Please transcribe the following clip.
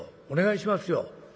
お願いしますよ。